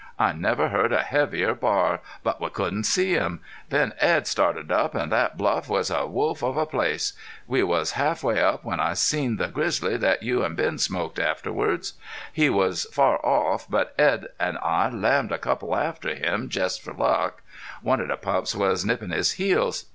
I never heard a heavier bar. But we couldn't see him. Then Edd started up, an' thet bluff was a wolf of a place. We was half up when I seen the grizzly thet you an' Ben smoked afterward. He was far off, but Edd an' I lammed a couple after him jest for luck. One of the pups was nippin' his heels.